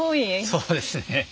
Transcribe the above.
そうですね。